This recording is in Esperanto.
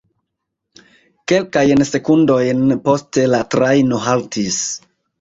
Kelkajn sekundojn poste la trajno haltis.